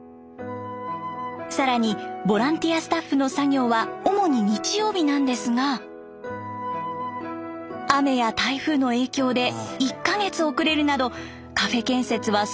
更にボランティアスタッフの作業は主に日曜日なんですが雨や台風の影響で１か月遅れるなどカフェ建設は想像以上に難航。